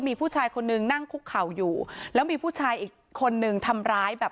มีผู้ชายคนนึงนั่งคุกเข่าอยู่แล้วมีผู้ชายอีกคนนึงทำร้ายแบบ